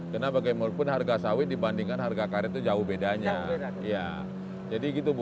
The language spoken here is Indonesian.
karena bagaimanapun harga sawit dibandingkan harga karet itu jauh bedanya